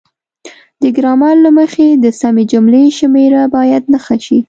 د ګرامر له مخې د سمې جملې شمیره باید نښه شي.